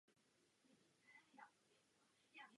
Andreas Mikkelsen má velké zázemí ve sportu.